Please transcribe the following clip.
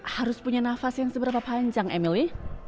harus punya nafas yang seberapa panjang emily